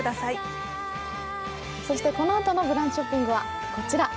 そして、このあとの「ブランチショッピング」はこちら。